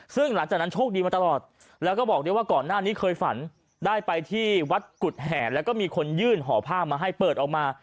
ซึ่งหลังจากนั้นโชคดีมาตลอดแล้วก็บอกด้วยว่าก่อนหน้านี้เคยฝันได้ไปที่วัดกุฎแห่แล้วก็มีคนยื่นห่อผ้ามาให้เปิดออกมา